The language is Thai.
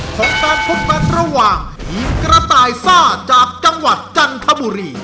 ของการพบกันระหว่างทีมกระต่ายซ่าจากจังหวัดจันทบุรี